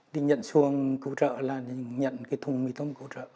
đi nhận xuồng cứu trợ là nhận cái thùng mì tôm cứu trợ